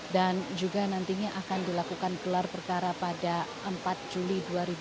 dan juga nantinya akan dilakukan gelar perkara pada empat juli dua ribu dua puluh tiga